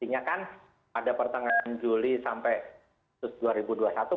artinya kan pada pertengahan juli sampai agustus dua ribu dua puluh satu